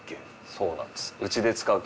そうなんです。